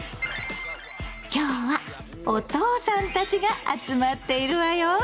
今日はお父さんたちが集まっているわよ。